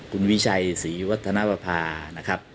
คุณวิชัยศรีวัฒนประภานะครับ